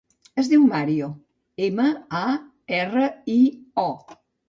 Es diu Mario: ema, a, erra, i, o.